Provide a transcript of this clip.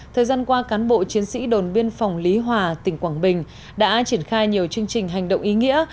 thời gian qua cán bộ chiến sĩ đồn biên phòng lý hòa tỉnh quảng bình đã triển khai nhiều chương trình hành động ý nghĩa